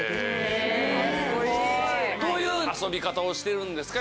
どういう遊び方をしてるんですか？